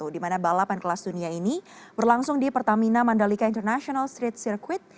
di mana balapan kelas dunia ini berlangsung di pertamina mandalika international street circuit